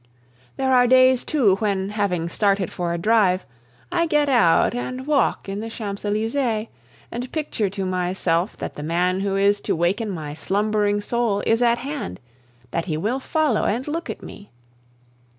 There are days too when, having started for a drive, I get out and walk in the Champs Elysees, and picture to myself that the man who is to waken my slumbering soul is at hand, that he will follow and look at me.